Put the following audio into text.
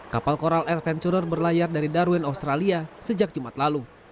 kapal coral adventure berlayar dari darwin australia sejak jumat lalu